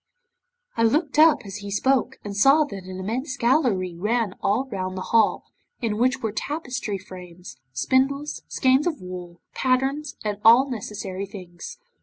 'I looked up as he spoke, and saw that an immense gallery ran all round the hall, in which were tapestry frames, spindles, skeins of wool, patterns, and all necessary things.